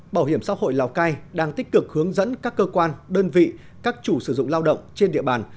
bảo hiểm xã hội lào cai đang tích cực hướng dẫn các cơ quan đơn vị các chủ sử dụng lao động trên địa bàn